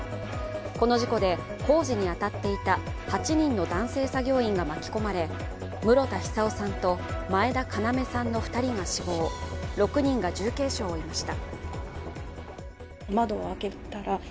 この事故で、工事に当たっていた８人の男性作業員が巻き込まれ、室田久夫さんと前田要さんの２人が死亡６人が重軽傷を負いました。